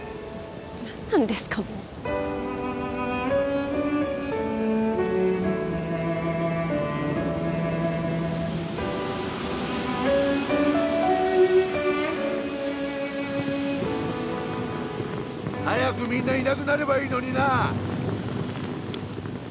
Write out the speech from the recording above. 何なんですかもう早くみんないなくなればいいのにな